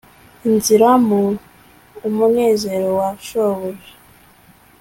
injira mu umunezero wa shobuja